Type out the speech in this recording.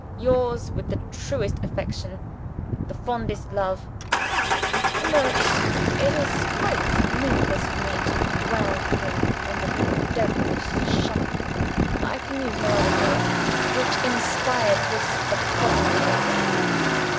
Yours with the truest affection, the fondest love, "OSCAR." [Note. It is quite needless for me to dwell here on the devilish cunning I can use no other phrase which inspired this abominable letter.